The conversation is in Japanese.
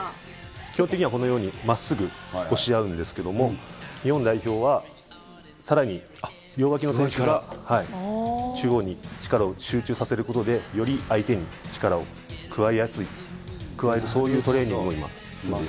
基本的にはこのようにまっすぐ押し合うんですけれども、日本代表はさらに両脇の選手から中央に力を集中させることで、より相手に力を加えやすい、加える、そういうトレーニングを今積んでる。